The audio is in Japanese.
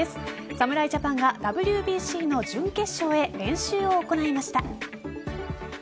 侍ジャパンがＷＢＣの準決勝へ練習を行いました。